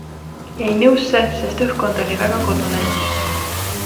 Jäin nõusse, sest õhkkond oli väga kodune.